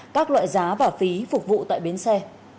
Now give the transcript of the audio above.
các loại giá và phí phục vụ tại bến xe